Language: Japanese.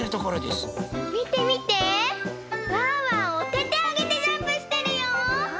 おててあげてジャンプしてるよ！